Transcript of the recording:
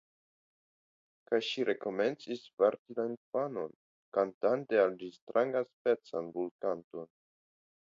Kaj ŝi rekomencis varti la infanon, kantante al ĝi strangaspecan lulkanton.